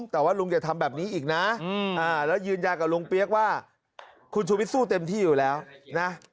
แต่ว่าลุงอย่าทำแบบนี้อีกนะแล้วยืนยันกับลุงเปี๊ยกว่าคุณชูวิทสู้เต็มที่อยู่แล้วนะ